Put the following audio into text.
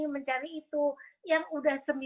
mencari itu yang udah